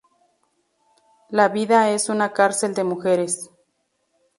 La vida en una cárcel de mujeres.